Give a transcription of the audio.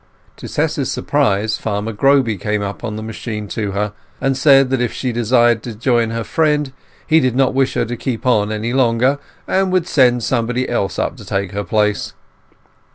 To Tess's surprise Farmer Groby came up on the machine to her, and said that if she desired to join her friend he did not wish her to keep on any longer, and would send somebody else to take her place.